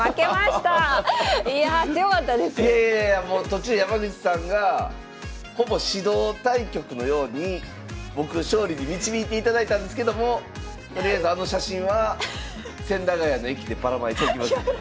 途中山口さんがほぼ指導対局のように僕を勝利に導いていただいたんですけどもとりあえずあの写真は千駄ヶ谷の駅でばらまいときますんで。